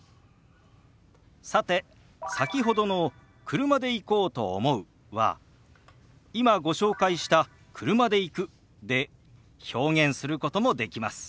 さて先ほどの「車で行こうと思う」は今ご紹介した「車で行く」で表現することもできます。